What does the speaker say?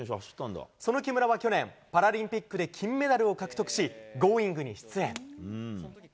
その木村は去年、パラリンピックで金メダルを獲得し、Ｇｏｉｎｇ！に出演。